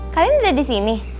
kalian udah disini